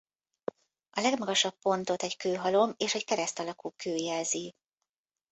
A legmagasabb pontot egy kőhalom és egy kereszt alakú kő jelzi.